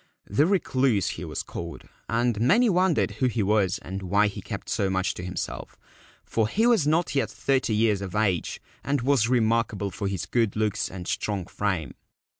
The ' Recluse ' he was called, and many wondered who he was, and why he kept so much to himself, for he was not yet thirty years of age and was remarkable for his good looks and strong frame.